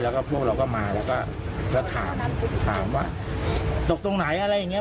แล้วก็พวกเราก็มาแล้วก็ถามถามว่าตกตรงไหนอะไรอย่างเงี้